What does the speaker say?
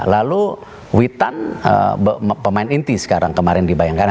lalu witan pemain inti sekarang kemarin dibayangkan